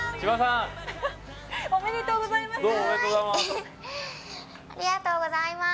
ありがとうございます。